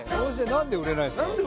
何で売れないんですかね